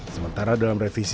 sementara dalam revisi